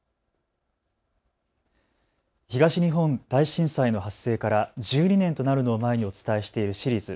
東日本大震災の発生から１２年となるのを前にお伝えしているシリーズ。